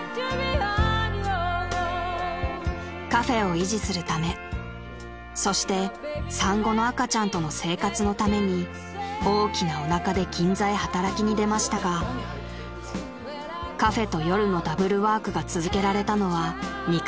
［カフェを維持するためそして産後の赤ちゃんとの生活のために大きなおなかで銀座へ働きに出ましたがカフェと夜のダブルワークが続けられたのは２カ月弱］